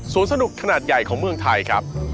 สนุกขนาดใหญ่ของเมืองไทยครับ